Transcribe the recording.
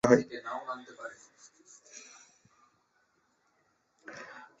হিলম্যান-লিখিত "natural হারমোনি"তে অ-সংবদ্ধ নান্দনিক সুখের থিমটি আরও অন্বেষণ করা হয়।